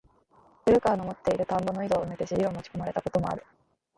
古川の持つて居る田圃の井戸を埋めて尻を持ち込まれた事もある。